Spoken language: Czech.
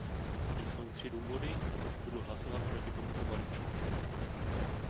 Jsou tři důvody, proč budu hlasovat proti tomuto balíčku.